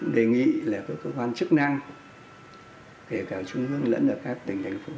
đề nghị là các cơ quan chức năng kể cả trung ương lẫn ở các tỉnh thành phố